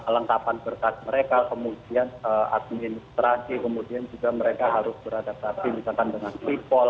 lengkapan berkas mereka kemudian administrasi kemudian juga mereka harus beradaptasi misalkan dengan sipol